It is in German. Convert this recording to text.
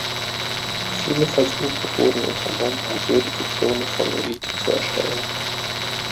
Viele Versuche wurden unternommen, um würdige Klone von "Elite" zu erstellen.